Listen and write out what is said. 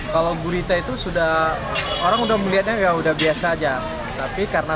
kalau gurita itu sudah orang sudah melihatnya sudah biasa saja